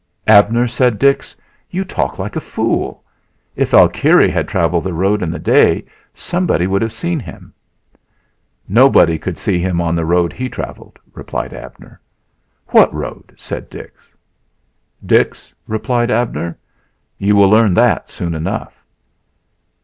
"Abner," said Dix, "you talk like a fool. If Alkire had traveled the road in the day somebody would have seen him." "Nobody could see him on the road he traveled," replied Abner. "What road?" said Dix. "Dix," replied Abner, "you will learn that soon enough."